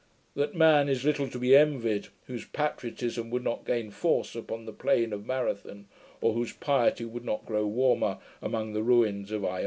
That man is little to be envied, whose patriotism would not gain force upon the plain of Marathon, or whose piety would not grow warmer among the ruins of Iona!